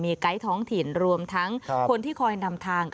ไกด์ท้องถิ่นรวมทั้งคนที่คอยนำทาง